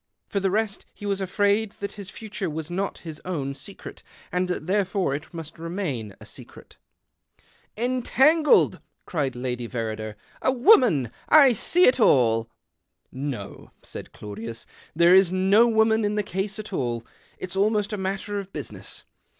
For the rest he was afraid that [lis future was not his own secret, and that therefore it must remain a secret. " Entangled !" cried Lady Verrider. " A ^voman I I see it all." " No," said Claudius, " there is no w^oman in the case at all. It's almost a matter of business.